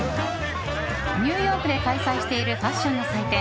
ニューヨークで開催しているファッションの祭典